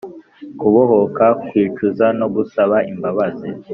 kubohoka kwicuza no gusaba imbabazi